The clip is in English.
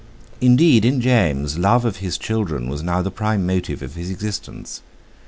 Indeed, in James love of his children was now the prime motive of his existence.